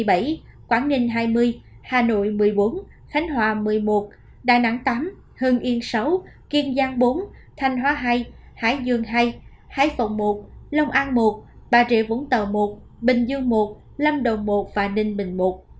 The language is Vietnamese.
đến nay tại việt nam đã ghi nhận một trăm chín mươi hai ca mắc covid một mươi chín do biến thể omicron tại thành phố hồ chí minh hai mươi bốn khánh hòa một mươi một đà nẵng tám hương yên sáu kiên giang bốn thanh hóa hai hải dương hai hải phòng một lòng an một bà rịa vũng tàu một bình dương một lâm đồng một và ninh bình một